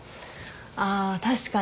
あ確かに。